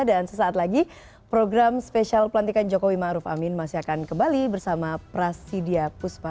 dan sesaat lagi program spesial pelantikan jokowi ma'ruf amin masih akan kembali bersama prasidia puspa